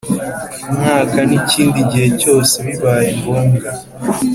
mwaka n ikindi gihe cyose bibaye ngombwa